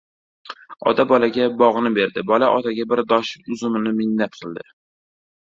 • Ota bolaga bog‘ni berdi, bola otaga bir bosh uzumini minnat qildi.